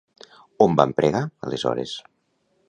On van pregar, aleshores?